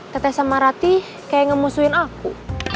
tetes sama ratih kayak ngemusuhin aku